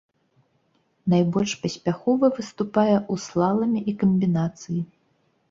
Найбольш паспяхова выступае ў слаламе і камбінацыі.